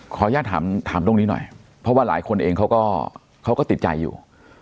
ขออนุญาตถามตรงนี้หน่อยเพราะว่าหลายคนเองเขาก็เขาก็ติดใจอยู่